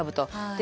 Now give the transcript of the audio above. で